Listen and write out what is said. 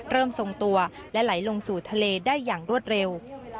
ทรงตัวและไหลลงสู่ทะเลได้อย่างรวดเร็ว